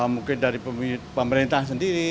mungkin dari pemerintah sendiri